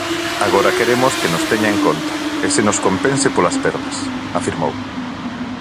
Agora queremos que nos teña en conta e se nos compense polas perdas, afirmou.